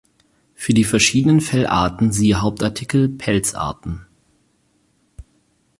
Für die verschiedenen Fellarten siehe Hauptartikel →Pelzarten.